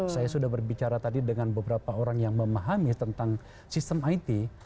saya sudah berbicara tadi dengan beberapa orang yang memahami tentang sistem it